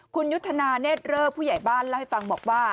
คุณยุทธนาเนธเริกผู้ใหญ่บ้านเล่าให้ฟังบอกว่า